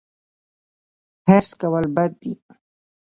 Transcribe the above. حرص کول بد دي